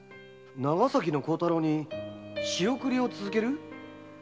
〔長崎の孝太郎に仕送りを続ける？〕